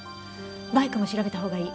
バイクも調べた方がいい。